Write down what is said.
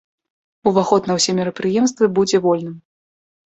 Уваход на ўсе мерапрыемствы будзе вольным.